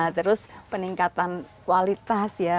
terus peningkatan kualitas ya